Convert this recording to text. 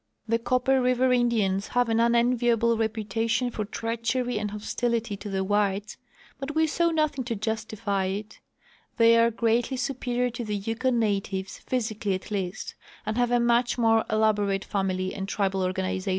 The Copper river Indians have an unenviable repu tation for treachery and hostilit}^ to the whites ; but we saw nothing to justify it. They are greatl}^ superior to the Yukon ]iatives, physically at least, and have a much more elaborate family and tribal organization.